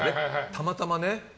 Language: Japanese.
たまたまね。